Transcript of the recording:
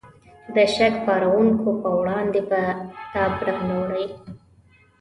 د شک پارونکو په وړاندې به تاب را نه وړي.